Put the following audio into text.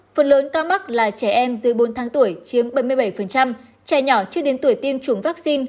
phần lớn ca mắc là trẻ em dưới bốn tháng tuổi chiếm bảy mươi bảy trẻ nhỏ chưa đến tuổi tiêm chủng vaccine